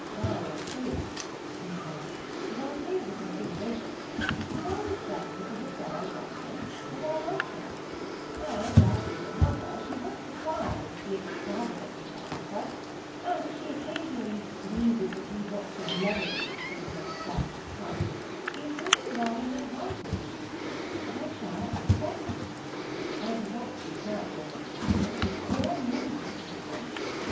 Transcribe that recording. ^ Ah, true," he said ;^ that is a consideration ; but old Douglas is a thorough gentleman, and I like him ; and as for the mother, she won't require me to be ex travagantly fond of her ; and if she occasionally squeezes a few drops of lemon juice into my stagnant cup, it will be rather an advantage. I shall effervesce. I do not dislike ill natured women; they are amusing at all events.